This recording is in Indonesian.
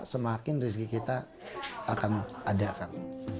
semakin rezeki kita akan ada kan